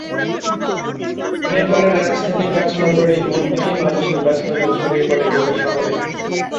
নেপালের রাজধানী কাঠমান্ডুর এই মোড় থেকেই মানুষের ব্যস্ততা ছড়িয়ে পড়ে গোটা শহরে।